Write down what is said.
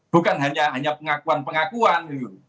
bukan hanya pengakuan pengakuan